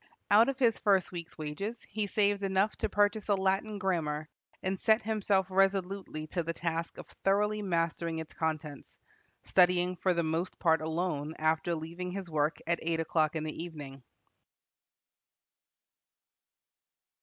Out of his first week's wages he saved enough to purchase a Latin grammar, and set himself resolutely to the task of thoroughly mastering its contents, studying for the most part alone after leaving his work at eight o'clock in the evening.